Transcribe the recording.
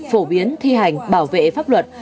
phổ biến thi hành bảo vệ pháp luật